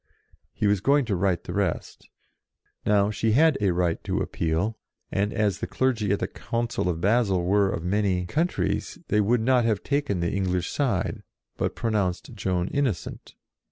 He was going to write the rest. Now she had a right to appeal, and as the clergy at the Council of Basle were of many HER TRIAL 101 countries, they would not have taken the English side, but pronounced Joan inno cent.